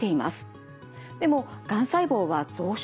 でもがん細胞は増殖しません。